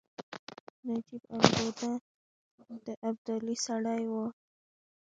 نجیب الدوله د ابدالي سړی وو.